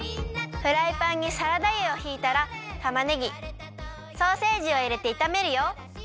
フライパンにサラダ油をひいたらたまねぎソーセージをいれていためるよ。